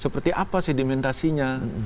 seperti apa sedimen tasinya